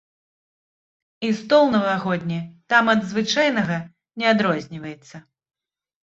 І стол навагодні там ад звычайнага не адрозніваецца.